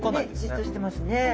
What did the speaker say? じっとしてますね。